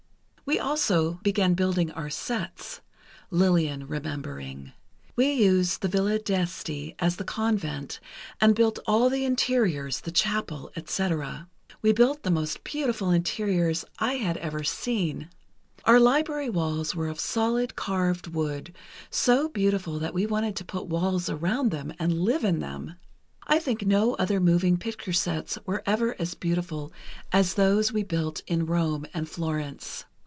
"We also began building our sets." [Lillian remembering.] "We used the Villa d'Esti, as the convent, and built all the interiors, the chapel, etc. We built the most beautiful interiors I had ever seen. Our library walls were of solid carved wood, so beautiful that we wanted to put walls around them, and live in them. I think no other moving picture sets were ever as beautiful as those we built in Rome and Florence.